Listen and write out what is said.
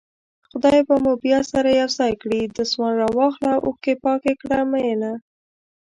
خدای به مو بيا سره يو ځای کړي دسمال راواخله اوښکې پاکې کړه مينه